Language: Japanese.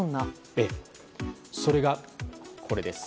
それが、これです。